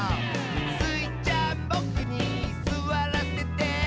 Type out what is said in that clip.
「スイちゃんボクにすわらせて？」